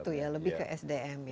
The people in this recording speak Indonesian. itu ya lebih ke sdm ya